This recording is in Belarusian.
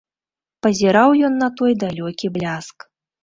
Пазіраў ён на той далёкі бляск.